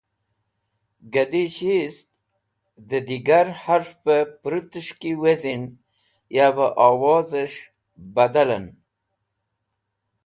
Gẽdishiyist (Vowels) dẽ digar hafẽvẽ perũtes̃h ki wezin yavẽ owozẽs̃h badalẽn.